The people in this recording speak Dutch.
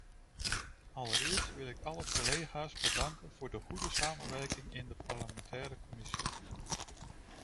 Allereerst wil ik alle collega's bedanken voor de goede samenwerking in de parlementaire commissie.